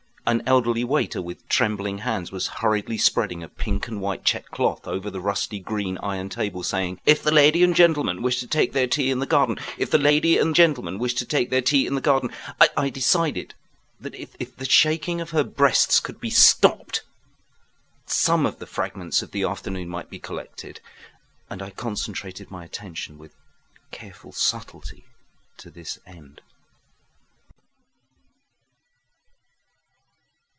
An elderly waiter with trembling hands was hurriedly spreading a pink and white checked cloth over the rusty green iron table, saying: "If the lady and gentleman wish to take their tea in the garden, if the lady and gentleman wish to take their tea in the garden…" I decided that if the shaking of her breasts could be stopped, some of the fragments of the afternoon might be collected, and I concentrated my attention with careful subtlety to this end.